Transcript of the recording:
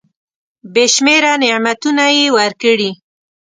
بي شمیره نعمتونه یې ورکړي .